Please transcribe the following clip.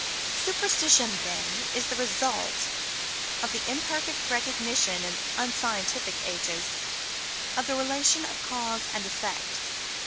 "Superstition, then, is the result of the imperfect recognition in unscientific ages of the relations of cause and effect.